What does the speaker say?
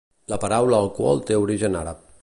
La paraula alcohol té origen àrab.